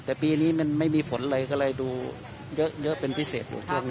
แต่ปีนี้มันไม่มีฝนเลยก็เลยดูเยอะเป็นพิเศษ